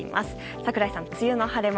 櫻井さん、梅雨の晴れ間